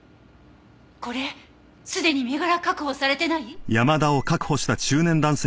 これすでに身柄確保されてない？